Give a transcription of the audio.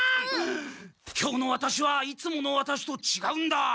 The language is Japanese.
今日のワタシはいつものワタシとちがうんだ。